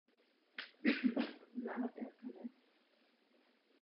Obnovou minulosti milovaného ostrova změnil také jeho budoucnost.